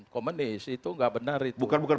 komunis itu gak benar itu bukan bukan